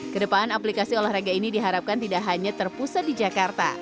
kedepan aplikasi olahraga ini diharapkan tidak hanya terpusat di jakarta